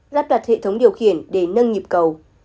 lắp đặt hệ thống điều khiển để nâng nhịp cầu